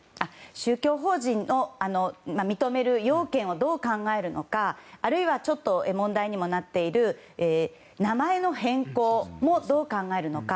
宗教法人の認める要件をどう考えるのかあるいは問題にもなっている名前の変更もどう考えるのか。